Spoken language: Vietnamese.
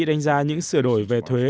đánh giá những sửa đổi về thuế